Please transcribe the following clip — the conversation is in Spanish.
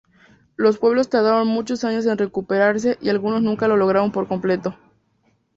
Los pueblos tardaron muchos años en recuperarse y algunos nunca lo lograron por completo.